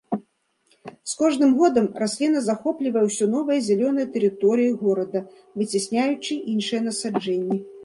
З кожным годам расліна захоплівае ўсё новыя зялёныя тэрыторыі горада, выцясняючы іншыя насаджэнні.